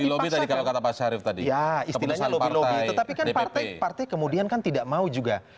karena lobby lobby kalau kata pak syarif tadi ya istilahnya lobby lobby tetapi kan partai kemudian kan tidak mau juga